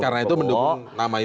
karena itu mendukung nama itu